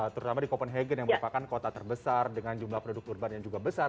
terutama di copenhagen yang merupakan kota terbesar dengan jumlah penduduk urban yang juga besar